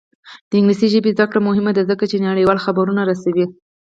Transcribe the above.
د انګلیسي ژبې زده کړه مهمه ده ځکه چې نړیوال خبرونه رسوي.